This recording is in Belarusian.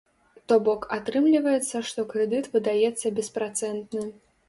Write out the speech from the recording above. То бок, атрымліваецца, што крэдыт выдаецца беспрацэнтны.